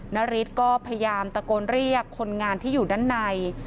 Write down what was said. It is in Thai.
นาริสก็พยายามตะโกนเรียกคนงานที่อยู่ด้านใน